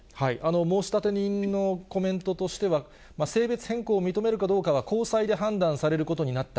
申立人のコメントとしては、性別変更を認めるかどうかは、高裁で判断されることになった、